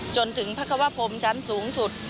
จนถึงพระควพรมชั้นสูงสุด